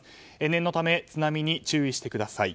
念のため津波に注意してください。